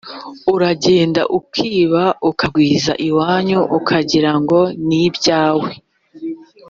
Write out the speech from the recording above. Uragenda ukiba ukagwiza iwanyu ukagirango nibyawe